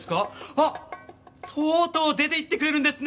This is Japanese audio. あとうとう出て行ってくれるんですね。